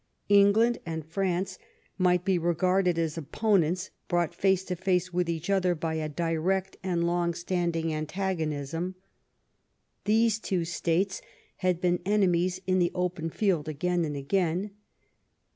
England and France might be regarded as opponents brought face to face with each other by a direct and long standing antagonism. These two states had been enemies in the open field again and again.